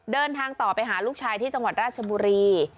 เดินทางต่อไปหาลูกชายที่จังหวัดราชบุรี